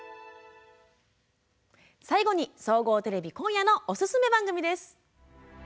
最後に、総合テレビ今夜のおすすめ番組です。